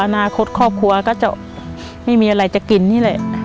อนาคตครอบครัวก็จะไม่มีอะไรจะกินนี่แหละ